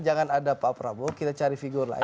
jangan ada pak prabowo kita cari figur lain